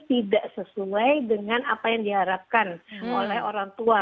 tidak sesuai dengan apa yang diharapkan oleh orang tua